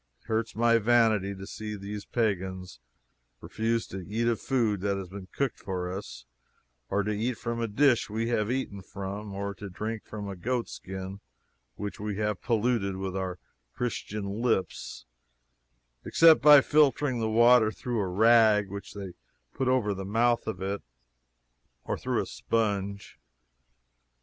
It hurts my vanity to see these pagans refuse to eat of food that has been cooked for us; or to eat from a dish we have eaten from; or to drink from a goatskin which we have polluted with our Christian lips, except by filtering the water through a rag which they put over the mouth of it or through a sponge!